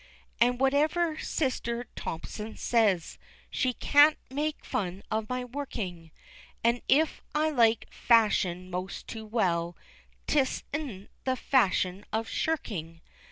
And whatever sister Thomson says, She can't make fun of my working, And if I like fashion most too well, 'Tisn't the fashion of shirking.